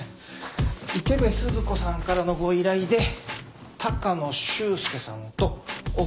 池部鈴子さんからのご依頼で高野修介さんと小川靖子さん